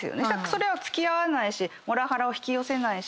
それは付き合わないしモラハラを引き寄せないし。